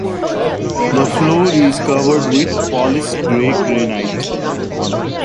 The floor is covered with polished grey granite.